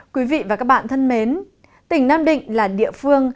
quý vị và các bạn thân mến tỉnh nam định là địa phương